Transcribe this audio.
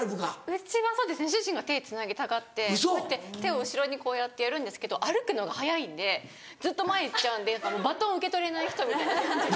うちはそうですね主人が手つなぎたがってこうやって手を後ろにこうやってやるんですけど歩くのが速いんでずっと前行っちゃうんでバトン受け取れない人みたいな感じで。